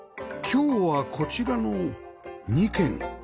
今日はこちらの２軒